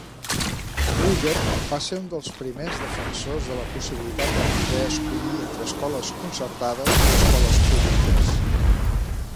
Bulger va ser un dels primers defensors de la possibilitat de poder escollir entre escoles concertades i escoles públiques.